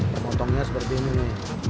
potongnya seperti ini nih